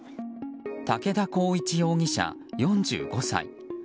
竹田孝一容疑者、４５歳。